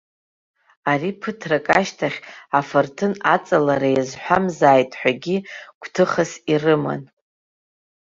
Ари ԥыҭрак ашьҭахь афырҭын аҵалара иазҳәамзааит ҳәагьы гәҭыхас ирыман.